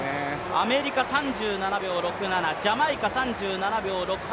アメリカ３７秒６７ジャマイカ３７秒６８